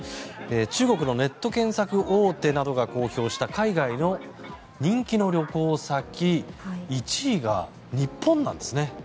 中国のネット検索大手などが公表した海外の人気の旅行先１位が日本なんですね。